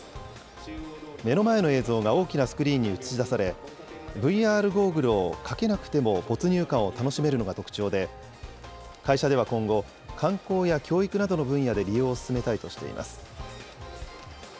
目の前の映像が大きなスクリーンに映し出され、ＶＲゴーグルをかけなくても没入感を楽しめるのが特徴で、会社では今後、観光や教育などの分野で利用を進めたいとしています。